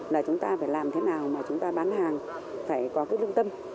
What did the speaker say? là chúng ta phải làm thế nào mà chúng ta bán hàng phải có cái trung tâm